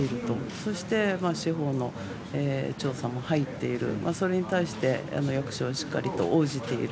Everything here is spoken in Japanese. そして司法の調査も入っている、それに対して役所はしっかり応じている。